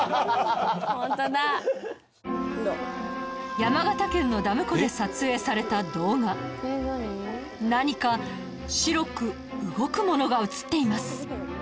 山形県のダム湖で撮影された動画何か白く動くものが映っています